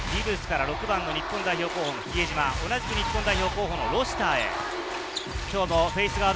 ギブスから６番の日本代表候補の比江島、同じく日本代表候補のロシターへ。